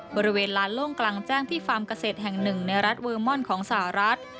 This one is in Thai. บริเวณลานโล่งกลางแจ้งที่ฟาร์มเกษตรแห่งหนึ่งในรัฐเวอร์มอนของสหรัฐ